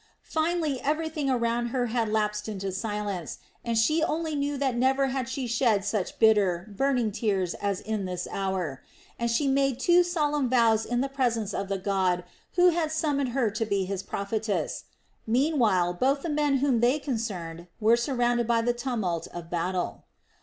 Finally everything around her had lapsed into silence and she only knew that never had she shed such bitter, burning tears as in this hour. And she made two solemn vows in the presence of the God who had summoned her to be His prophetess. Meanwhile both the men whom they concerned were surrounded by the tumult of battle.